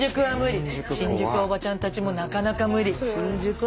新宿はおばちゃんたちもなかなか無理。